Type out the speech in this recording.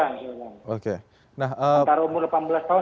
antara umur delapan belas tahun